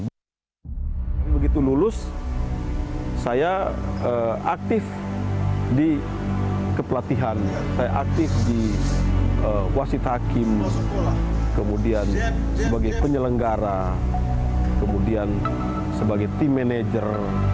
begitu lulus saya aktif di kepelatihan saya aktif di wasit hakim kemudian sebagai penyelenggara kemudian sebagai tim manajer